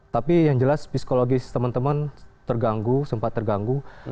tapi yang jelas psikologis teman teman terganggu sempat terganggu